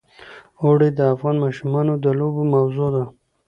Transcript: اوړي د افغان ماشومانو د لوبو موضوع ده.